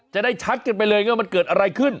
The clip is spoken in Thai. จะได้ชัดกันไปเลยว่ามันเกิดอะไรขึ้น